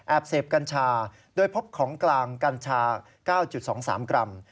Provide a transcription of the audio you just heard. เสพกัญชาโดยพบของกลางกัญชา๙๒๓กรัม